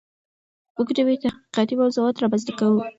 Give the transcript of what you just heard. موږ نوي تحقیقاتي موضوعات رامنځته کوو.